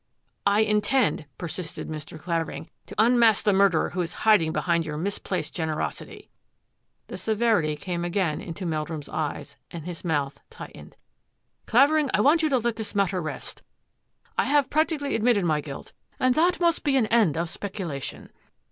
" I intend," persisted Mr. Clavering, " to un mask the murderer who is hiding behind your mis placed generosity." The severity came again into Meldrum's eyes and his mouth tightened. " Clavering, I want you to let this matter rest. I have practically admitted my guilt, and that must be an end of speculation."